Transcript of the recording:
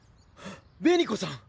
紅子さん！？